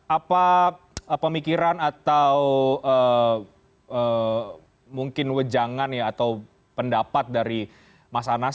apa pemikiran atau mungkin wejangan atau pendapat dari mas anas